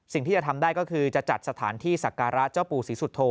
สิ่งที่จะทำได้ก็คือจะจัดสถานที่สักการะเจ้าปู่ศรีสุโธ